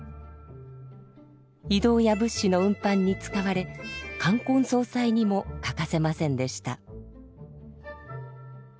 移動や物資の運搬に使われ冠婚葬祭にも欠かせませんでした。